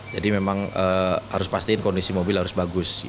jadi memang harus pastikan kondisi mobil harus bagus